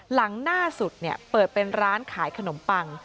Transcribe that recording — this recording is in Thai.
หลังหน้าสุดเปิดเป็นร้านขายขนมปัง